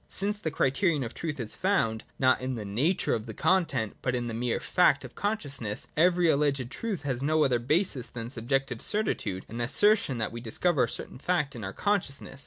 Since the crite rion of truth is found, not in the nature of the content, but in the mere fact of consciousness, every alleged truth has no other basis than subjective certitude and • the assertion that we discover a certain fact in our consciousness.